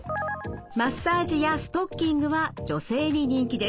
マッサージやストッキングは女性に人気です。